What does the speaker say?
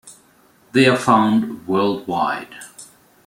They are found worldwide.